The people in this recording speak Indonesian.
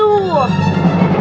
sampai jumpa lagi